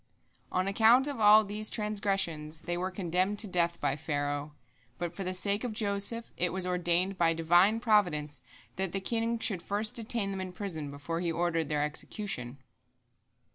" On account of all these transgressions they were condemned to death by Pharaoh, but for the sake of Joseph it was ordained by Divine providence that the king should first detain them in prison before he ordered their execution.